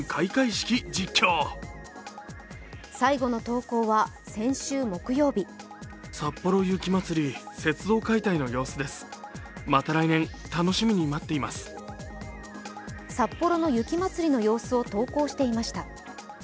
最後の投稿は先週木曜日札幌の雪まつりの様子を投稿していました。